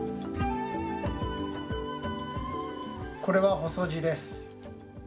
これは細字です。